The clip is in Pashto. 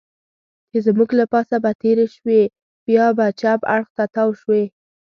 چې زموږ له پاسه به تېرې شوې، بیا به چپ اړخ ته تاو شوې.